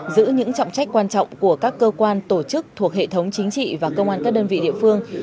giữ những trọng trách quan trọng của các cơ quan tổ chức thuộc hệ thống chính trị và công an các đơn vị địa phương